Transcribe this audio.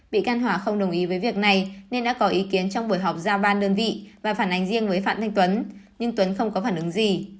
bị can hòa không đồng ý với việc này nên đã có ý kiến trong buổi họp giao ban đơn vị và phản ánh riêng với phạm thanh tuấn nhưng tuấn không có phản ứng gì